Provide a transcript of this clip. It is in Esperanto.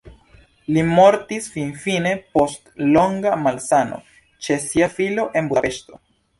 Li mortis finfine post longa malsano ĉe sia filo en Budapeŝto.